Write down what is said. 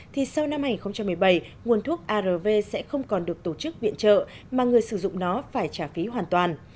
thì sau năm hai nghìn một mươi bảy nguồn thuốc arv sẽ không còn được tổ chức viện trợ mà người sử dụng nó phải trả phí hoàn toàn